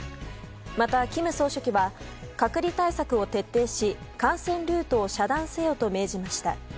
また、金総書記は隔離対策を徹底し感染ルートを遮断せよと命じました。